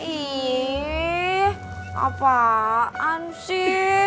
ih apaan sih